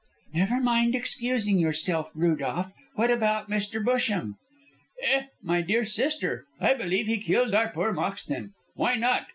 _" "Never mind excusing yourself, Rudolph. What about Mr. Busham?" "Eh, my dear sister, I believe he killed our poor Moxton! Why not?